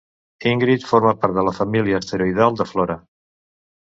Ingrid forma part de la família asteroidal de Flora.